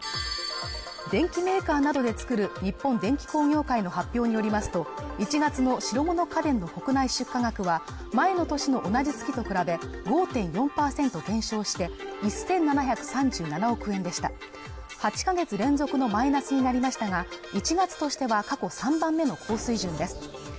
電機メーカーなどで作る日本電機工業会の発表によりますと１月の白物家電の国内出荷額は前の年の同じ月と比べ５．４％減少して１７３７億円でした８か月連続のマイナスになりましたが１月としては過去３番目の高水準です